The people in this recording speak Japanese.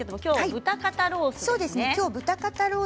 豚肩ロースです。